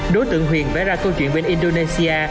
đối tượng huyền vẽ ra câu chuyện bên indonesia